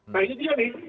nah ini dia nih